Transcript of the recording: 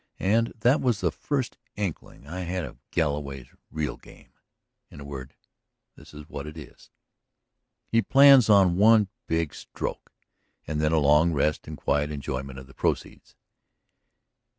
And that was the first inkling I had of Galloway's real game. In a word, this is what it is: "He plans on one big stroke and then a long rest and quiet enjoyment of the proceeds.